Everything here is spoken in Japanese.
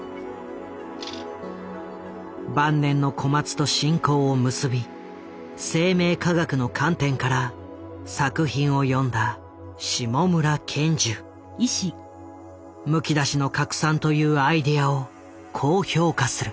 晩年の小松と親交を結び生命科学の観点から作品を読んだ「むきだしの核酸」というアイデアをこう評価する。